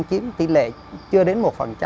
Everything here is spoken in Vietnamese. kiếm tỷ lệ chưa đến một